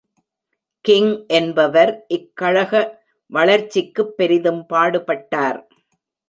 King என்பவர் இக்கழக வளர்ச்சிக்குப் பெரிதும் பாடுபட்டார்.